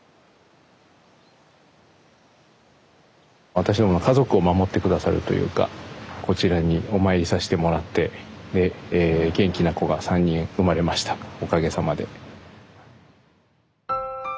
私どもの家族を守って下さるというかこちらにお参りさしてもらってで元気な子が３人産まれましたおかげさまで。